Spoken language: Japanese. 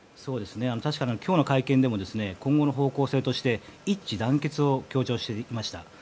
確かに今日の会見でも今後の方向性として一致団結を強調していました。